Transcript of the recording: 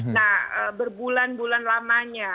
nah berbulan bulan lamanya